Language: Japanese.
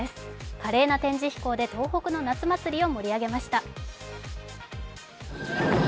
華麗な飛行で東北の夏祭りを盛り上げました。